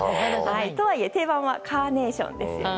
とはいえ定番はカーネーションですよね。